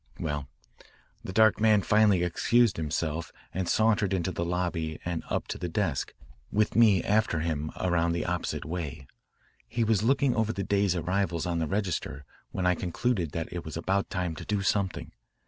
"Well, the dark man finally excused himself and sauntered into the lobby and up to the desk, with me after him around the opposite way. He was looking over the day's arrivals on the register when I concluded that it was about time to do something.